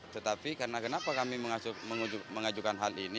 tetapi karena kenapa kami mengajukan hal ini